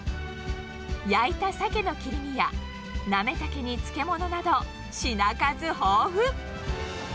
焼いたサケの切り身やナメタケに漬け物など、品数豊富。